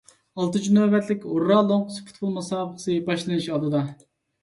ئالتىنچى نۆۋەتلىك «ھۇررا» لوڭقىسى پۇتبول مۇسابىقىسى باشلىنىش ئالدىدا.